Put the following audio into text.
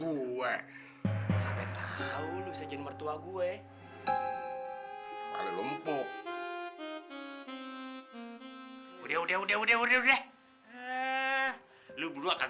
gue sampai tahu bisa jadi mertua gue lompok udah udah udah udah udah udah